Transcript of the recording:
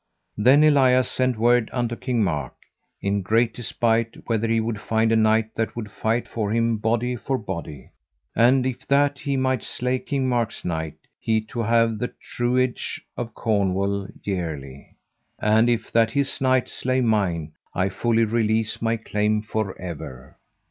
Then Elias sent word unto King Mark, in great despite, whether he would find a knight that would fight for him body for body. And if that he might slay King Mark's knight, he to have the truage of Cornwall yearly. And if that his knight slay mine, I fully release my claim forever.